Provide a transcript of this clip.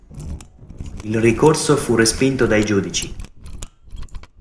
Il ricorso fu respinto dai giudici.